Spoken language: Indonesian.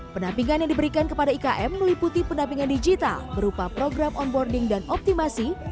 penampingan yang diberikan kepada ikm meliputi pendampingan digital berupa program onboarding dan optimasi